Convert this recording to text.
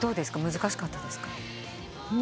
難しかったです。